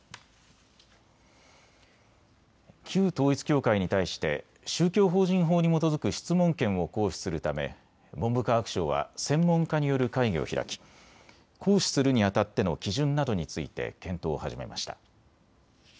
旧統一教会に対して宗教法人法に基づく質問権を行使するため文部科学省は専門家による会議を開き、行使するにあたっての基準などについて検討を始めました。